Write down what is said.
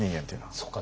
そうか。